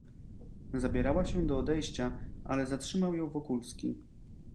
"Zabierała się do odejścia, ale zatrzymał ją Wokulski."